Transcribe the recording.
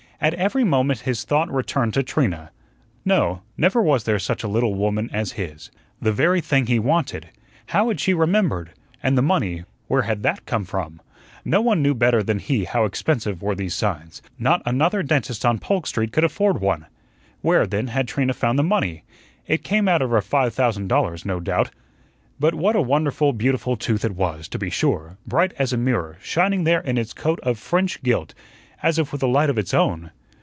At every moment his thought returned to Trina. No, never was there such a little woman as his the very thing he wanted how had she remembered? And the money, where had that come from? No one knew better than he how expensive were these signs; not another dentist on Polk Street could afford one. Where, then, had Trina found the money? It came out of her five thousand dollars, no doubt. But what a wonderful, beautiful tooth it was, to be sure, bright as a mirror, shining there in its coat of French gilt, as if with a light of its own!